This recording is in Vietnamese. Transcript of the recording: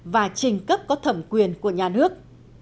và trình cấp có thẩm quyền của nhà nước